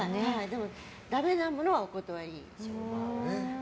でも、ダメなものはお断りする。